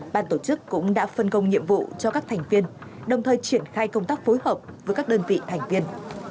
ban tổ chức cũng đã phân công nhiệm vụ cho các thành viên đồng thời triển khai công tác phối hợp với các đơn vị thành viên